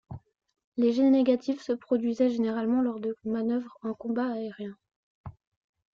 Les G Négatifs se produisaient généralement lors de manœuvres en combat aérien.